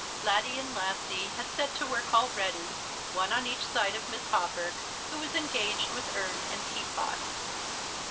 Laddie and Lassie had set to work already, one on each side of Miss Hawberk, who was engaged with urn and teapot.